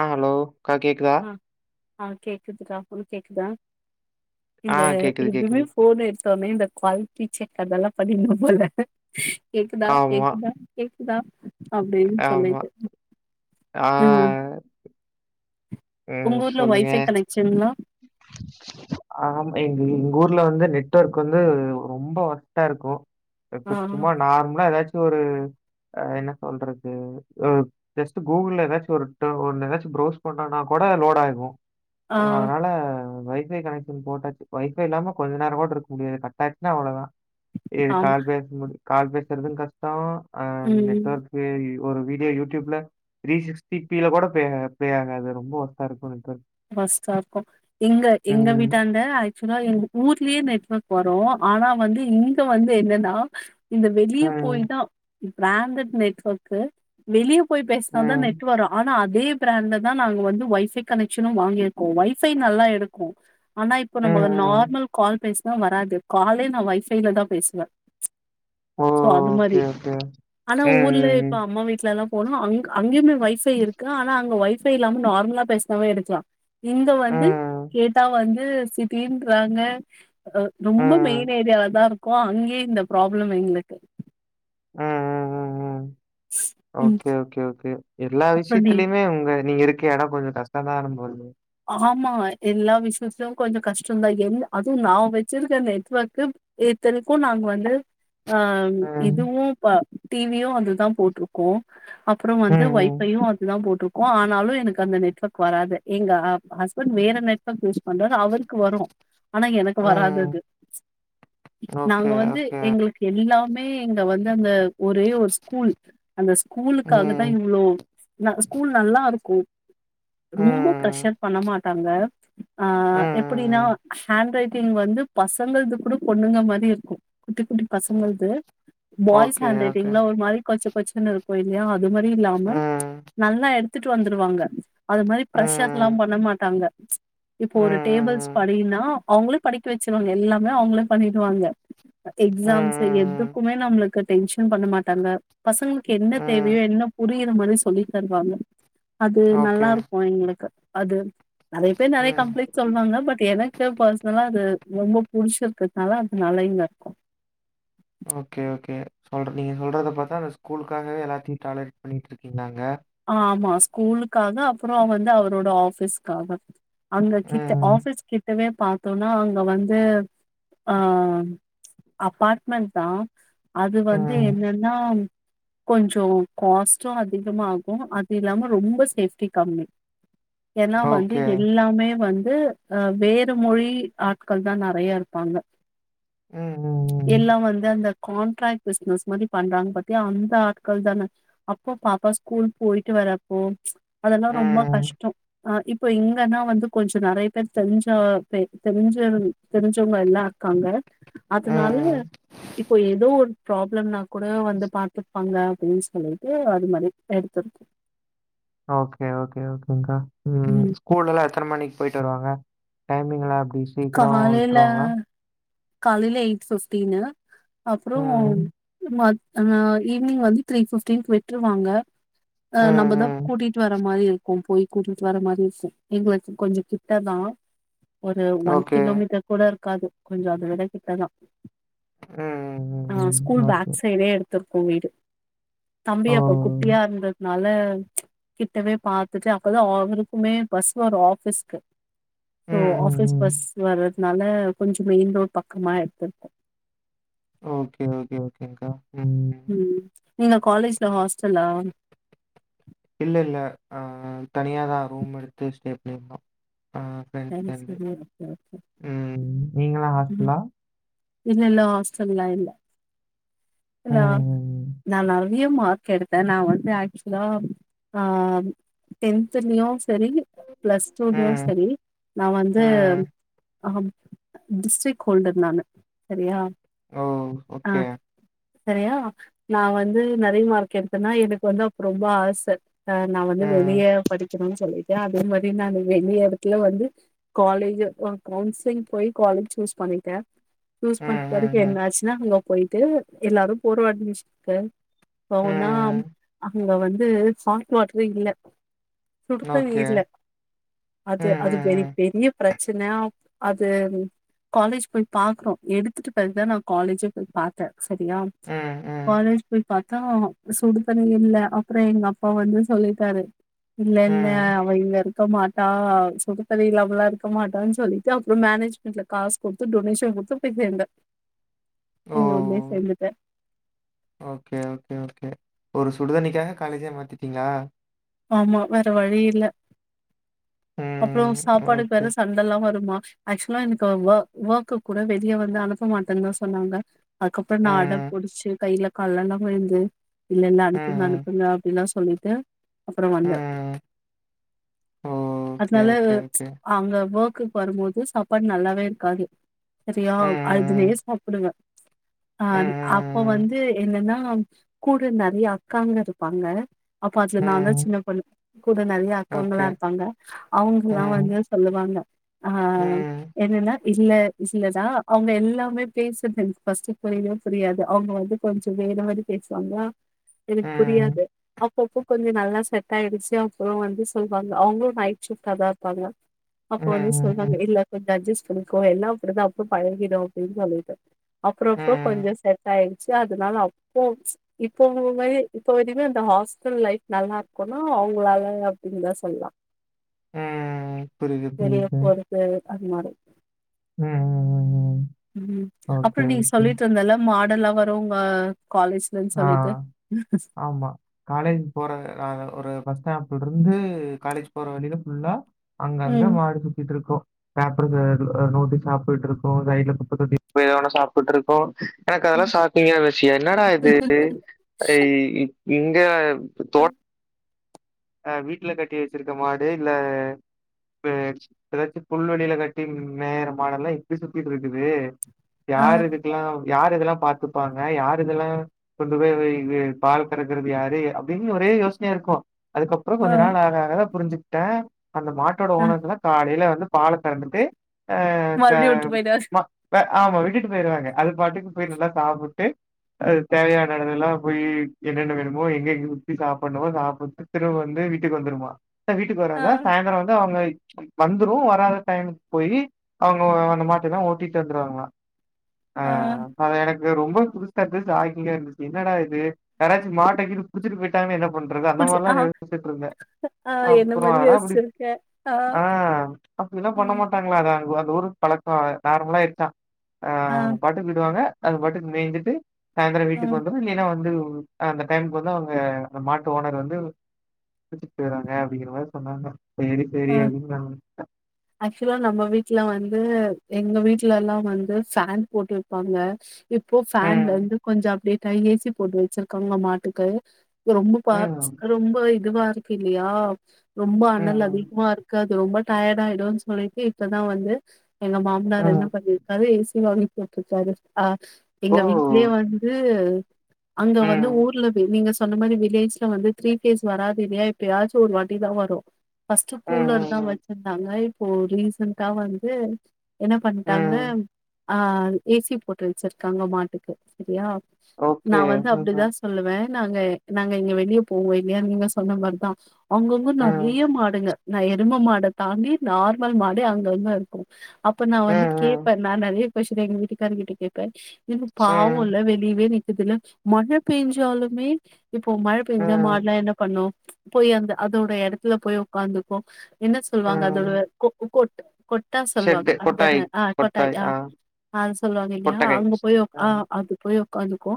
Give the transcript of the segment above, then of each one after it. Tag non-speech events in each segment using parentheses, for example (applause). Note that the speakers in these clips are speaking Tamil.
அ ஹலோ க்கா கேக்குதா ஆ ஆ கேக்குதுடா உனக் கேக்குதா ஆ இந்த கேக்குது, கேக்குது. இன்றிமென் ஃபோன் எடுத்தோனே இந்த குவாலிட்டி செக் அதெல்லா பண்ணினும் போல கேக்குதா ஆமா, கேக்குதா கே இதா ஆமா ஆ உங்க ஊர்ல ஒய்ஃபை கனெக்ஷன்லா ஆம் எங்க எங்க ஊர்ல வந்து நெட்வொர்க்வந்து ரொம்ப ஒஸ்ட்டா இருக்கு ஆ இப்ப சும்மா நார்மலா ஏதாச் ஸ்ஒரு என்ன சொல்றது ஒ ஜஸ்ட் கூகுள் ஏதாச்சு ஒரு ட் ஒன்னு ஏதாச்சு ப்ரௌஸ் பண்றனா கூட லோட் ஆகு ஆ அதனால ஒய்ஃபை கனெக்ஷன் போட்டாச்சு ஒய்ஃபை இல்லாம கொஞ்ச நேர கூட இருக்க முடியாது கட்டாச்சுன்னா அவ்ளதா இது ஆமா கால் பேசும் போது கால் பேசுறது கஷ்ட ஆ ம் நெட்வொர்க்கு இ ஒரு வீடியோ யூடியூப்ல த்ரீ சிக்ஸ்டி பி ல கூட பே பே ஆகாது ரொம்ப ஒஸ்ட்டா இருக்கு நெட்வொர்க் பஸ்ட்டா இருக்கு எங்க எங்க ம் வீட்டான்ட ஆக்சுலா எங்க ஊர்லேயே நெட்வொர்க் போறோ ஆனா வந்து இங்க வந்து என்னன்னா இந்த வெளியே ம் போயி தா ப்ராண்டட் நெட்வொர்க்கு வெளிய ப் போய் பேசினா தா ம் நெட்வரு ஆனா அது பெரிய ப்ராண்ட்ல தா நாங்க வந்து ஒய்ஃபை கனெக்ட் சும்ம வாங்கிருக்கோ ஒய்ஃபை நல்லா எடுக்கு ஆனா இப்ப ம் நம்ப ம் நார்மல் கால் பேச ஆ வராது காலே நான் வைபைல தான் பேசுவேன் சோ அது மாதிரி ஓகே ஓகே ஆனா ஊர்ல ம் இப்ப ம் அம்மா வீட்டு்ல எல்லாம் போனோம் அங்க அங்கயமே வைஃபை இருக்கு ஆனா அங்க வைஃபை இல்லாம நார்மலா பேச சமயம் எடுக்கலாம் இங்க வந்து ம் கேட்டா வந்து இது சிட்டிரான்ங்க ரொம்ப ம் மெயின் ஏரியால தான் இருக்கோம் அங்கேயே இந்த ப்ராப்ளம் எங்களுக்கு ஹ ஹ ஹம் ம் ஓகே ஓகேகே எல்லா அப்றோ நீ விஷயத்திலயுமே உங்க நீங்க ஓகே ஆனா கொஞ்சம் கஷ்டனாம் போது ஆமா எல்லா விஷயத்துலயும் கொஞ்சம் கஷ்டம்தான் எ அதுவும் நான் வச்சிருக்க நெட்வொர்க்கு ஏர்டெல்கும் நாங்க வந்து ஆஹ் ம் இதுவும் பா டிவியும் அதுதான் போட்டிருக்கோம் அப்புறம் ம் வந்து ம் வைஃபையும் அதுதான் போட்டுரு ஆனாலும் எனக்கு அந்த நெட்வொர்க் வராது எங்க ஹஸ்பண்ட் வேற நெட்வர்க் யூஸ் பண்றாரு அவருக்கு வரும் ஆனா எனக்கு ம் வராதது ஓகே நாங்க வந்து ஓகே எங்களுக்கு எல்லாமே இதே இங்க வந்து அந்த ஒரே ஒரு ஸ்கூல் அந்த ஸ்கூலுக்காக தான் ம் இவ்ளோ ந ஸ்கூல் நல்லா இருக்கும் ரொம்ப ம் பிரசர் பண்ண மாட்டாங்க ஆஹ எப்படினா ம் ஹேண்ட் ரைட் இங்கவந்து பசங்கள்து கூட பொண்ணுங்க மாதிரி இருக்கும் குட்டி குட்டி பசங்கள்து பாய்ஸ் ஓகே, ஹேண்ட் ஓகே. ரைட்டிங்ஒரு மாதிரி கொச்சன்னு இருக்கும் இல்லையா அது மாரி இல்லாம ம், நல்லா வித்துட்டு வந்துடுவாங்க அது மாதிரி பிரஷ எல்லாம் ம், பண்ண மாட்டாங்க ம் இப்போ ம், ஒரு டேபிள்ஸ் ம், படின்னா அவங்களே படிக்க வச்சருவாங்க எல்லாமே அவங்களே பண்ணிடுவாங்க எக்ஸாம்ஸ் ம், எதுக்குமே நம்மளுக்கு க டென்ஷன் பண்ண மாட்டாங்க. பசங்களுக் என்ன தேவையோ ம். என்ன புரி. ரிரா மாரி சொல்லி தருவாங்க. அது ஓகே. நல்லா இருக்கும் எங்களுக்கு அது நறைய பேர் நறைய ம். கம்ப்ளைட் சொல்வாங்க பட் எனக்கு பர்சனலா அது. ரொம்ப புடிச்சு இருக்கறதுனால அது நலன்லா இருக்கும் ஓகே ஓகே சொல்ற நீங்க சொல்றத பாத்தா அந்த ஸ்கூல்க்காக எல்லாத்தையும் டாலரி பண்ணிட்டு இருக்கிங்கலாங்க ஆமா ஸ்கூலுக்காக அப்பறம் அவங்க வந்து அவரோட ஆஃபீஸ்க்காக அங்க கித்த ம், ஆஃபீஸ் கிட்டவே பாத்தோனா அங்க வந்து ஆ அப்பார்ட்மெண்ட் தா அது வந்து ம். என்னன்னா ம் கொஞ்சம் காஸ்டும் அதிகமாக் ம் அது இல்லாம ரொம்ப சேஃப்டி கம்மி ஏனா வந்து ஓகே. எல்லாமே வந் ந்து அ வேற மொழி ஆட்கள் தா நறைய இருப்பாங்க. ம், எல்லா ம், வந்து அந்த ப் கான்ட்ராக்ட் பிசினஸ் மாரி பண்றாங்க பத்தியா அந்த ஆட்கள் தான அப்போ பாப்பா ஸ் கூல் போயிட்டு வராப்போ. அதெல்லா ம், ரொம்ப ம், கஷ்டம் ஆ இப்போ இங்கன்னா வந்து கொஞ்ச நறைய பேர் தெரிஞ்சா தெ தெரிஞ்ச தெரிஞ்சவங்கல்லா இருக்காங்க அதுனால ம். இப்போ ஏதோ ஒர் ப்ராப்ளனா கூட வந்து பாத்துபாங்க அப்டின் சொல்லிட்டு அது மாரி. எடுத்துக் ஓகே ஓகே ஓகே ங்கா ம் ஸ்கூல்லல்லா எத்தன மணிக் போயிட் டு வருவாங்க டைமிங்லா அப் ட் சீக்கிரம் விட்ருவாங்களா காலையல எயிட் ஃபிப்டீன்னு அப்புறம் ம், மத் அஹ ஈவினிங் வந்து த்ரீ ஃபிஃப்டீன்க் விட்ருவாங்க ம், அஹ நம்ப தா ம். கூட்டிட்டு வர மாரி இருக்கும் போயி கூட்டிட்டு வர மாரி இருக்கும் எங்களுக்கு கொஞ்ச கிட்ட தா ஒரு ஒன் ஓகே. கிலோமீட்டர் கூட காது கொஞ்ச அத விட கிட்டதா ம், அ ம், ம். School okay. பேக் சைடே எடு தக்கு வீடு தம்பி அப்ப ஓ! குட்டியா இருந்தது நால கிட்டவே பாத்துட்டு அப்பதா அவருக்குமே பஸ் வரு ஆஃபீஸ்க்கு ம், சோ ம், ஆஃபிஸ் பஸ் ம். வர னால கொஞ் மெயின் ரோடு பக்கமா எடுத்திருக்கோ ஓகே ஓகே ஓகே க்கா ம் நீங்க காலேஜ்ல ஹாஸ்டலா இல்லல்ல அ தனியாதா ரூம் எடுத்து ஸ்டே பண்ணிருக்கோ (inaudible) ம். நீங்களாம் ம் ஹாஸ்டலா? இல்லல்ல ஹாஸ்டல்ல இல்ல இல்லா ம். நா நல் ஜிஎம் மார்க் எடுத்தே நா வந்து ஆக்சுலா ஆ டென்துலயு சரி ப்ளஸ் டூ லியு ம், சரி நா வந்து ம். ஆ டிஸ்ட்ரிக் ஹோல்டர் நானு சரியா ஓ ஆ ஓகே சரியா நா வந்து நிறைய மார்க் எடுத்தேன்னா எனக்கு வந்து அப்ப ரொம்ப ஆசை ஆ நா வந்து வெளிய ம், படி கனுன் சரி சொல்லிட்டு அதே மாரி நா வெளிய இடத்துல வந்து காலேஜ் கவுன்சிலிங் போய் காலேஜ் சூஸ் பண்ணிட்டே சூஸ் ம், பன்பிறகு ம், என்ன ம். ஆச்சுன்னா போயிட்டு எல்லாரு போறோ அட்மிஷன்கு போனாம் ம். நீங்க வந்து சால்ட் வாட்ரே இல்ல சுடுதண்ணி ஓகே. இல்ல ம், அது அது ம், பெரி ம். யூ ப்ரச்சன ப் அது காலேஜ் போய் பாக்றோ எடுத்துட்டு பிறகு தா நா காலேஜே போய் பாத்தே சரியா ம், ம், காலேஜ் போய் பாத்தா சுடுதண்ணி இல்ல அப்ற எங்க அப்பா வந்து சொல்லிட்டாரு இல்லல்ல ம். அவ இல்லரு ருக்க மாட்டா சுடு சுடு தண்ணி இல்லாமலா இருக்க மாட்டா சொல்லிட்டு அப்ற மேனேஜ்மெண்ட்ல காஸ் குடுத்து டொனேஷன் குடுத்து போய் சேந்த ஓ! இங்க ஊர்லயே சேந்துட்ட ஓகே, ஓகே, ஓகே. ஒரு சுடுதண்ணிக்காக காலேஜே மாத்திட்டீங்களா ஆமா வேற வழி இல்ல அப்புறோ ம். சாப்பாடுக்கு வேற ஓகே. சண்டெல்லா வருமா ஆக்சுவலா எனக்கு ஒ ஒர்க்கு கூட வெளிய வந்து அனுப்ப மாட்டந்தா சொன்னாங்க அதுக்கப்பற நா அடம் ம், புடுச்சு கைல காள்லெல்லா விழுந்து இல்ல இல்ல அனுப்புங்க ம், ம், அனுப்புங்க அப்புடில்லாஸ் சொல்லிட்டு அப்பறோ வந்த ம். ஓகே, அதனால ஓகே, ஓகே. அங்க ஓக் க்கு வரும்போது சாப்பாடு நல்லாவே இருக்காது சரியா அதுவே ம், சாப்புடுங்க அ ம், அப்போ ம். வந்து என்னன்னா ஆமாங் கூட இருந்தாங் எங்க அக்காங்க இருப்பாங்க அப்பாஸ்ல ம், ம், நாங்க ம். ம். சின்ன பொண்ணு கூட நறைய அக்காவுங்களா ஓகே. இருப்பாங்க அவங்கல்லா ம், வந்து சொல்லுவாங்க ஆ ம், என்னன்னா இல்ல இல்லதா அவங்க எல்லாமே பேசுறது எனக்கு ஃபர்ஸ்டு புரியவே புரியாது அவங்க வந்து கொஞ்ச வேற மாரி பேசுவாங்ளா எனக் ம், புரியாது அவ் இப்ப கொஞ்ச நல்லாஸ் செட் ஆயிடுச்சு அப்புறோ வந்து சொல்லுவாங்க அவங்களு நைட் ஷிஃப்டாதா இருப்பாங்க அப்ப ம், வந்து சொன்னாங்க ம், இல்ல கொஞ்ச அட்ஜஸ் புடிக்கு எல்லா அப்புடிதா அப்புறோ பழகிடு அப்டின் சொல்லிட்டு அப்புறோ அப்புறோ ம், கொஞ்ச செட் ஆயிடுச் ச்சு அதனால அப்போ இப்பவு மாரி இப்புமே வரையுமே அந்த ஹாஸ்டல் லைப் நல்லாரு இருக்குனு அவங்களால அப்டின்னுதா சொல்லலா ம் புரியுது வெளிய புரியுது போறது அது மாரி ம் ம் ம் ம் ம் அப்புறோ ஓகே, நீ ஓகே. சொல்லிட்டு இருந்தல்ல மா கடல்லாம் வருங்க ஆ ஆமா காலேஜ் போற ஒரு பஸ் ஸ்டாப் தொடர்ந்து காலேஜ் போற வழியில ஃபுல்லா அங்கங்க ம் மாடு சுத்திட்டு இருக்கு பேப்பர் நோட்டி சாப்புட்டுட்டு இருக்கு சைடுல குப்பத்தொட்டி எதனா சாப்புட்டு இருக்கு எனக்கு அதல்லா ம். சாக்கிங்கா இருந்துச்சு என்னடா இது (unintelligible) இங்க இப்ப தோட் அஹ் வீட்டுல கட்டி வச்சிருக்க மாடு இல்ல இ ஏதாச்சும் புல்வெளியில கட்டி மேயர மாடெல்லாம் இப்படி சுத்திட்டு இருக்குது ஆ யார் இதுக்கெல்லாம் யாரு இதெல்லாம் பாத் பத்துப்பாங்க யாரு இதெல்லாம் கொண்டு போய் பால் கறக்கறது யாரு அப்படின்னு ஒரே யோசனையா இருக்கும் அதுக்கப்புறம் ஆ கொஞ்சம் நாள் ஆக ஆகதா புரிஞ்சு த அந்த மாட்டோட ஆ ஓனர்க்கலாம் காலையில வந்து பால கரந்துட்டு ஆஹ த மறுபடியு வுட்டு போயிட்டாரு ம ப ஆமா விட்டுட்டு போயிருவாங்க அது பாட்டுக்கு போய் நல்லா சாப்பிட்டு அது தேவையான இதுல்லாம் போய் என்னென்ன வேணுமோ எங்க எங்க சுத்தி சாப்ணுமோ சாப்பிட்டு திரும்ப வந்து வீட்டுக்கு வந்துடுமா வீட்டுக்கு ஆ வராதா சாயந்தரம் வந்து அவுங்க வந்துரும் வராத டைமுக்கு போய் அவுங்க அந்த மாட்டலாம் ஓட்டிட்டு வந்துருவாங்களாம் ஆ ஆஹ அத எனக்கு ரொம்ப புதுசா ஆங்க இருந்துச்சு என்னடா இது யாராச்சி மாட்டை கீட்டு புடிச்சிட்டு போயிட்டாங்கனா என்ன பண்றது அந்த புடிச்சு மாறியெல்லாம் ஆ பேசிச்சிட்டு இருந்தேன் ஆ என்ன அப்புறம் மாரி அதெல்லாம் அப்டி யோசிச்சிருக்க ஆ ஆஹ அப்டினா இதல்லாம் பண்ண ம் மாட்டாங்களா அங்க இந்த ஊரு பழக்கம் நார்மலா இதுத்தான் ஆஹ் ஆ அவங்க பாட்டுக்கு விடுவாங்க அது பாட்டுக்கு மேந்சுட்டு சாய்ந்தரம் ஆ வீட்டுக்கு வந்ததும் நேர வந்துரும் ம்ம் அந்த டைமுக்கு வந்து அவுங்க அந்த மாட்டு ஓனர் வந்து புடுச்சிட்டு போயிறாங்க அப்படிங்கிற மாரி சொன்னாங்க சேரி அ சேரி அது தான் வேற ஒன்னும் இல்ல ஆக்சுவலா நம்ம வீட்டுல வந்து எங்க வீட்டுல எல்லாம் வந்து ஃபேன் போட்டு வைப்பாங்க இப்போ ஃபேன்ல ம், வந்து கொஞ்சம் அப்டேட் ய ஏசி போட்டு வச்சிருக்காங்களாம் மாட்டுக்கு ரொம்ப ம், ம், பாசம் ரொம்ப இதுவா இருக்கு இல்லையா ரொம்ப அனல் ம், அதிகமா இருக்குது ரொம்ப டயர்டா இருக்கு இதோ சொல்லிட்டு இப்பதா வந்து எங்க மாமனார் என்ன ம். பண்ணிருக்காரு இன்ஸ் (unintelligible) ஆ ஓ! எங்க வீட்லயே வந்து (inaudible) அங்க வந்து ம், ஊர்ல நீங்கஸ் சொன்ன மாரி வில்லேஜ்ல வந்து த்ரீ கேஸ் வராது இல்லையா எப்பயாச்சு ஒரு வாட்டிதா வரு ஃபஸ்ட்டு ம், ம், கூலர்தா ம், வெச்சிருந்தாகய் இப்போ ரீசன்காக வந்து என்ன பண்டாங்க ம். ஆ ஏசி போட்டு வெச்சுருக்காங்க மாட்டுக்கு சேரியா நா ஓகே. வந்து அப்டிதா ம்ஹ்ம். சொல்லுவ நாங்க நாங்க இங்க வெளிய போவோ இல்லையான் நீங்க சொன்ன மாரிதா அங்க அங்க ம், நறைய மாடுங்க நா எருமமாட தாண்டி நார்மல் மாடு அங்க அங்க இருக்கு அப்ப நா வந்து ம், கேப்ப நா நறைய கொஷ்டின் எங்க வீட்டுக்காரங் கிட்ட கேப்ப இது ம், பாவோல்ல வெளிவே நிக் இப்பல்லா மழ பெயிஞ்சாலுமே இப்போ மழ ம், பேஞ்சா ம், மாடுலா என்ன பண்ணு போய் அந்த அதோட எடத்துல போய் உக்காந்துக்கு என்ன சொல்வாங்க அது ம். (unintelligible) கோட்டு கொட்டா சொல்வாங ஷெட்டு அதான கொட்டாய், ஆ கொட்டாய் ஆ அது சொல்வாங் இல்லையா கொட்டகை. அங்க போயோ ஆ ம், அது போயோ இதுக்கு அதுக்கு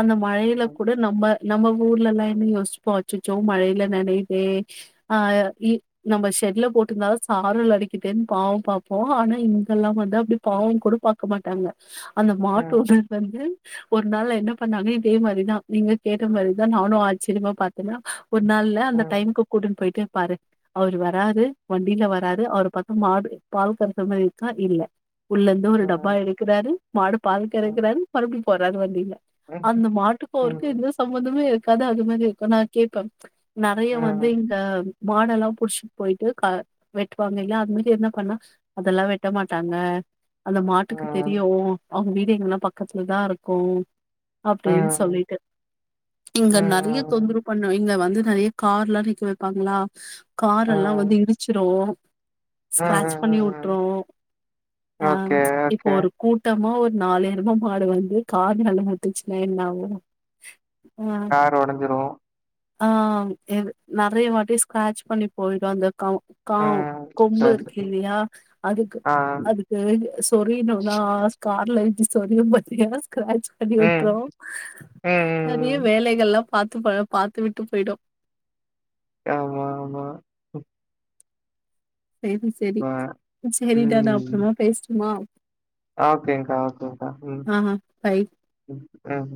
அந்த மழயில ம், கூட நம்ப நம்ம ஊர்ல எல்லா என்ன யோசிப்போ அச்சச்சோ மழையில நனைதே ஆ இ நம்ம ஷெட்ல போட்டுருந்தாதா சாறல் அடிக்குதேன் பாவோம் பாப்போ ஆனா இங்கெல்லா வந்து அப்புடி பாவோம் கூட பாக்க மாட்டாங்க அந்த ம், மாட்டோட அந்த இது ஒரு நாள்ள என்ன பண்ணாங்க இதே மாரிதா நீங்க கேட்ட மாரிதா நானும் ஆச்சிரியமா பாத்தனா ஒரு நாள்ள அந்த ம், டைமுக்கு கூட்டுன் போயிட்டு பாரு அவரு வராரு ஒன் வீட்ல வராரு அவர பாத்தா மாடு பால் கரக்குர மாரி இருக்கா இல்ல உள்ளுந்து ஒரு டப்பா ம், எடுக்குறாரு மாடு பால்கரக்கறாறு ம் மறுபடி போறாரு வண்டில அந்த ம், மாட்டுக்குஅவருக்கோ எந்த சம்மந்தமே யில்லா ககான் அது மாதிரி இருக்கும் நான் கேட்பேன் நறைய வந்து ம். இந்த மாடலாம் புடிச்சுட்டு போயிட்டு கால வெட்டுவாங்க இல்ல அது மாதிரி என்ன பண்ணா அதெல்லாம் வெட்ட மாட்டாங்க அந்த மாட்டுக்கு தெரியும் அவங்க வீடு இங்கல்லாம் பக்கத்துலதான் இருக்கும் அப்படின்னு சொல்லிட்டு இங்க நிறைய தொந்தரவு பண்ண இங்க வந்து நிறைய கார் எல்லாம் நீக்க வைப்பாங்களா கார் எல்லாம் வந்து இடி ஓ ஸ்கராட்ச பண்ணி விட்டுறோம் அஹ் ஓகே இப்போ ஓகே ஒரு கூட்டமா நாலு எருமமாடு வந்து கார் முட்டுச்சினா என்ன ஆகும் கார் ஓடஞ்சிரும் ஆஹ் நெறைய வாட்டி ஸ்கிராட்ச் பண்ணி போயிடும் அது க (inaudible) கா ம். கொம்பு சரி. இருக்கு இல்லையா அதுக்கு ஆ. அதுக்கு சொரியனும்னா கார்ல சொரிய பார்த்திங்கன ஸ்கிராட்ச் பண்ணி ம். விட்ரும் ம். நிறைய ம். வேலைகள்லாம் பாத்து போ பாத்து விட்டு போய்டும் ஆமா ஆமா செரி இப்ப செரி செரிடா நான் அப்புறமா பேசட்டுமா ஓகேக்கா ஓகேக்கா ம் ஆ பை. உம்